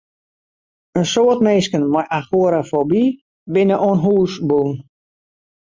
In soad minsken mei agorafoby binne oan hûs bûn.